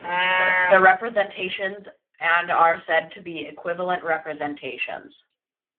The representations and are said to be equivalent representations.